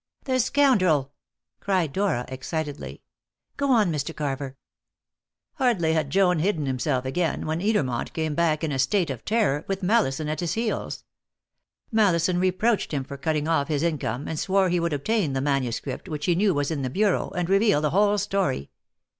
"The scoundrel!" cried Dora excitedly. "Go on, Mr. Carver." "Hardly had Joad hidden himself again when Edermont came back in a state of terror, with Mallison at his heels. Mallison reproached him for cutting off his income, and swore he would obtain the manuscript, which he knew was in the bureau, and reveal the whole story.